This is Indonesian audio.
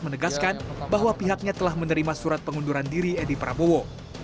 menegaskan bahwa pihaknya telah menerima surat pengunduran diri edi prabowo